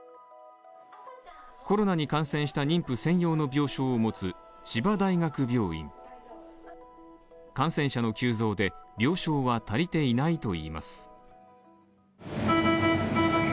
コロナに感染した妊婦専用の病床を持つ千葉大学病院感染者の急増で病床が足りていないといいます。